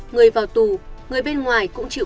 người vào tù người bên ngoài cũng chịu